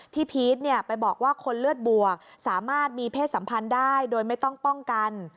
พีชไปบอกว่าคนเลือดบวกสามารถมีเพศสัมพันธ์ได้โดยไม่ต้องป้องกัน